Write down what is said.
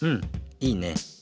いいね。